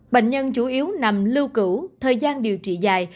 bệnh nhân chủ yếu nằm lưu cữu thời gian điều trị dài